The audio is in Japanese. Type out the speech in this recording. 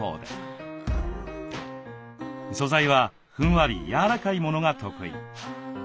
素材はふんわり柔らかいものが得意。